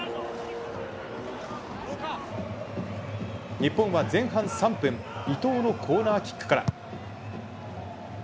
日本は前半３分伊東のコーナーキックから。